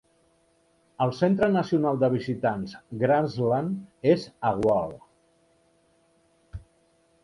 El Centre Nacional de Visitants Grasslands és a Wall.